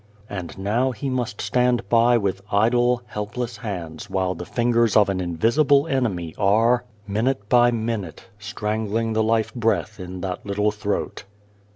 And now he must stand by with idle, helpless hands while the fingers of an invisible enemy are, minute by minute, strangling the life breath in that little throat.